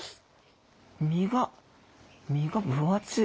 身が身が分厚い。